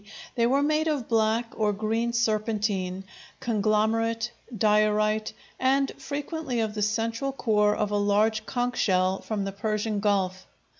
they were made of black or green serpentine, conglomerate, diorite, and frequently of the central core of a large conch shell from the Persian Gulf.